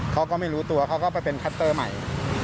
เขาก็ไม่รู้ตัวเขาก็ไปเป็นคัตเตอร์ใหม่